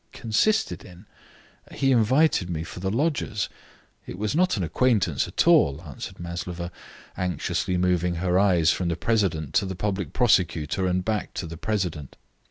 "Consisted in? ... He invited me for the lodgers; it was not an acquaintance at all," answered Maslova, anxiously moving her eyes from the president to the public prosecutor and back to the president.